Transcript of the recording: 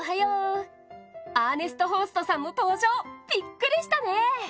アーネスト・ホーストさんも登場、びっくりしたね。